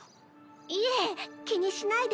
いえ気にしないで。